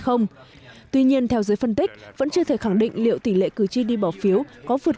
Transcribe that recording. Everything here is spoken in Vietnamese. không tuy nhiên theo giới phân tích vẫn chưa thể khẳng định liệu tỷ lệ cử tri đi bỏ phiếu có vượt